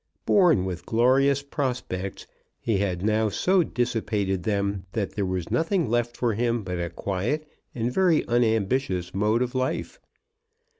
Born with glorious prospects, he had now so dissipated them that there was nothing left for him but a quiet and very unambitious mode of life.